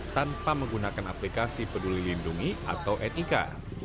tanpa menggunakan aplikasi peduli lindungi atau etika